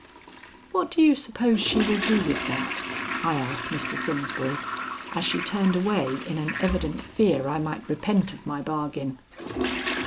"What do you suppose she will do with that?" I asked Mr. Simsbury, as she turned away in an evident fear I might repent of my bargain.